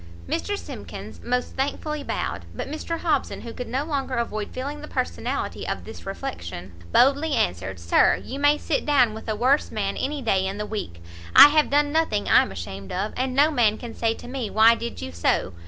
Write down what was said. Mr Simkins most thankfully bowed; but Mr Hobson, who could no longer avoid feeling the personality of this reflection, boldly answered, "Sir, you may sit down with a worse man any day in the week! I have done nothing I'm ashamed of, and no man can say to me why did you so?